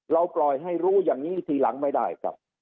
ปล่อยให้รู้อย่างนี้ทีหลังไม่ได้ครับ